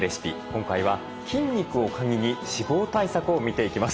今回は筋肉をカギに脂肪対策を見ていきます。